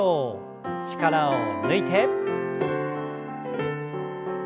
力を抜いて。